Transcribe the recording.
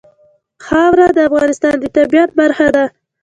خاوره د افغانستان د طبیعت برخه ده.